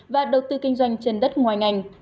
và đầu tư kinh doanh trên đất ngoài ngành